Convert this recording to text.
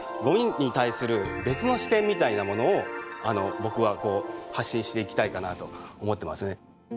ゴミに対する別の視点みたいなものを僕はこう発信していきたいかなと思ってますね。